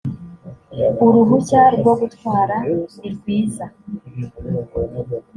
uruhushya rwogutwara nirwiza